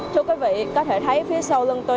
thưa quý vị có thể thấy phía sau lưng tôi